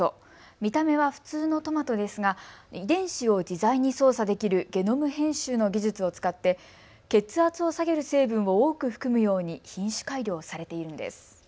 見た目は普通のトマトですが遺伝子を自在に操作できるゲノム編集の技術を使って血圧を下げる成分を多く含むように品種改良されているんです。